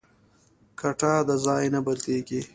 کټه د ځای نه بدلېږي.